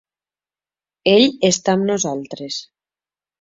Ell està amb nosaltres.